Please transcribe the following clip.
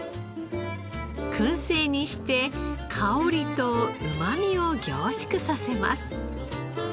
燻製にして香りとうま味を凝縮させます。